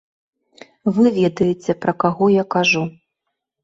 Вы ведаеце, пра каго я кажу.